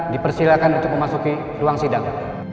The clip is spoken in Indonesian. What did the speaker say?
dipersilakan untuk memasuki ruang sidang